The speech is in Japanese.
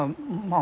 あ